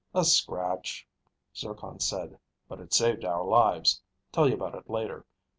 "A scratch," Zircon said. "But it saved our lives. Tell you about it later.